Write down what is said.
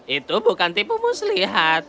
itu bukan tipu moose lihat